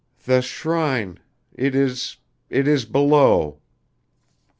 "The shrine it is it is below."